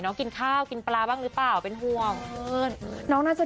น้องกินข้าวกินปลาบ้างหรือเปล่าเป็นห่วง